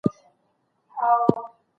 هغه نښې چي موږ یې کاروو عربي دي.